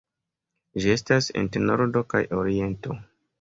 Ĝi estas inter Nordo kaj Oriento.